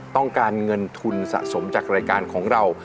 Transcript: ต้องการเงินทุนสะสมจากรายการของเรา